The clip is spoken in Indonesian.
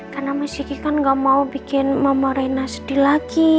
karena miss kiki kan nggak mau bikin mama reina sedih lagi